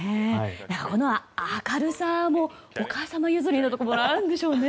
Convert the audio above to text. この明るさもお母様譲りのところあるんでしょうね。